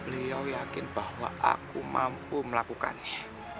beliau yakin bahwa aku mampu melakukannya